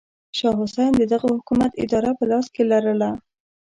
شاه حسین د دغه حکومت اداره په لاس کې لرله.